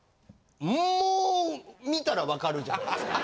もう見たら分かるじゃないですか。